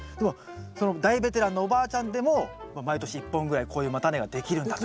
その大ベテランのおばあちゃんでも毎年１本ぐらいこういう叉根ができるんだと。